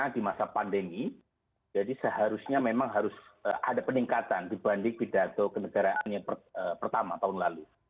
di masa pandemi jadi seharusnya memang harus ada peningkatan dibanding pidato kenegaraan yang pertama tahun lalu